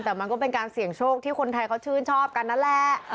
แต่มันก็เป็นการเสี่ยงโชคที่คนไทยเขาชื่นชอบกันนั่นแหละ